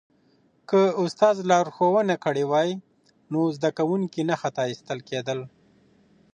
که استاد لارښوونه کړې وای نو زده کوونکی نه خطا استل کېدل.